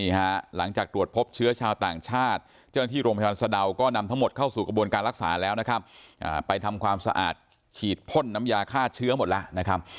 หลังจากตรวจพบเชื้อชาวต่างชาติเจ้าหน้าที่โรงพยาบาลสะดาวก็นำทั้งหมดเข้าสู่กระบวนการรักษาแล้วนะครับไปทำความสะอาดฉีดพ่นน้ำยาฆ่าเชื้อหมดแล้วนะครับ